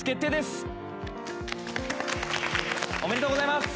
おめでとうございます！